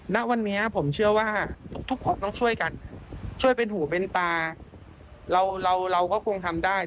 ณวันนี้ผมเชื่อว่าทุกคนต้องช่วยกันช่วยเป็นหูเป็นตาเราเราเราก็คงทำได้